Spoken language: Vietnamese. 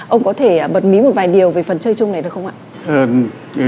ông có thể bật mí một vài điều về phần chơi chung này được không ạ